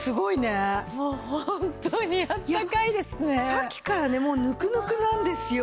さっきからねもうぬくぬくなんですよ。